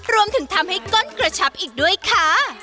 รวมถึงทำให้ก้นกระชับอีกด้วยค่ะ